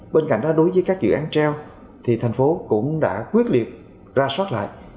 bên cạnh đó đối với các dự án treo thì thành phố cũng đã quyết liệt ra soát lại